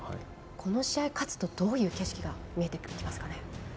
この試合勝つとどういう景色が見えてくるんですかね？